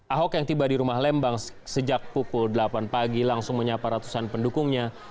ahok yang tiba di rumah lembang sejak pukul delapan pagi langsung menyapa ratusan pendukungnya